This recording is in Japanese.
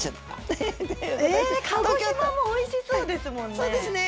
ええ鹿児島もおいしそうですもんね。